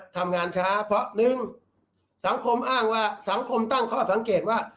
ทำงานช้าเพราะหนึ่งสังคมอ้างว่าสังคมตั้งข้อสังเกตว่า